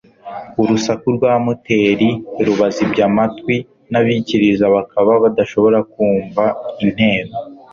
urusaku rwa moteri rubazibya amatwi, n'abikiriza bakaba badashobora kumva intero